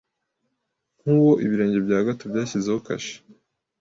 Nkuwo ibirenge bya Cato byashyizeho kashe